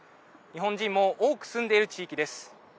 日本人も多く住んでいる地域です。